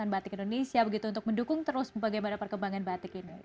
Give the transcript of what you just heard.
batik indonesia begitu untuk mendukung terus bagaimana perkembangan batik ini